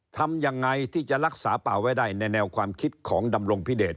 ทำยังไงที่จะรักษาป่าไว้ได้ในแนวความคิดของดำรงพิเดช